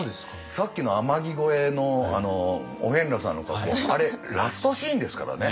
さっきの「天城越え」のお遍路さんのとこあれラストシーンですからね。